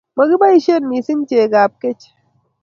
makiboisien mising chekap keche